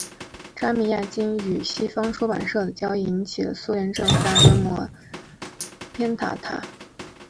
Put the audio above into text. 扎米亚京与西方出版商的交易引起苏联政府大规模挞伐他。